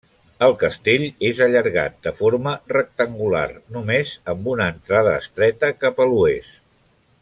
El castell és allargat de forma rectangular, només amb una entrada estreta cap a l'oest.